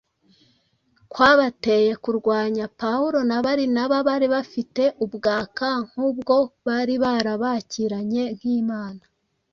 kwabateye kurwanya Pawulo na Barinaba bafite ubwaka nk’ubwo bari barabakiranye nk’imana.